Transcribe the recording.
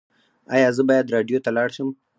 ایا زه باید راډیو ته لاړ شم؟